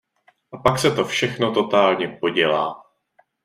A pak se to všechno totálně podělá.